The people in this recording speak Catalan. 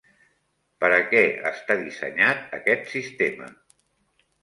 Per a què està dissenyat aquest sistema?